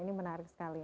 ini menarik sekali